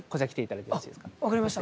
分かりました。